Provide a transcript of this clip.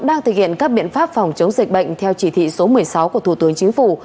đang thực hiện các biện pháp phòng chống dịch bệnh theo chỉ thị số một mươi sáu của thủ tướng chính phủ